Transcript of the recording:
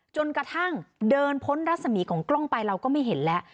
จนกระทั่งเดินพ้นรัศมีของกล้องไปเราก็ไม่เห็นแล้ว